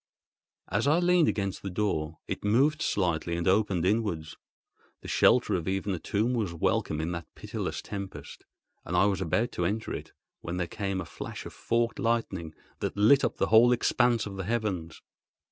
As I leaned against the door, it moved slightly and opened inwards. The shelter of even a tomb was welcome in that pitiless tempest, and I was about to enter it when there came a flash of forked lightning that lit up the whole expanse of the heavens.